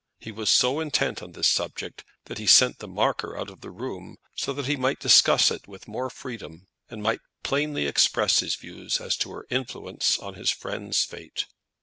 He was so intent on this subject that he sent the marker out of the room so that he might discuss it with more freedom, and might plainly express his views as to her influence on his friend's fate.